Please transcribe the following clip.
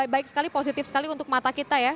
baik sekali positif sekali untuk mata kita ya